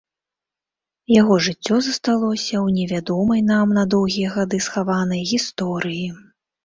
Яго жыццё засталося ў невядомай нам, на доўгія гады схаванай, гісторыі.